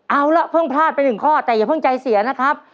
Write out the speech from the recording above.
เอาล่ะเพิ่งพลาดไปหนึ่งข้อแต่อย่าเพิ่งใจเสียนะครับ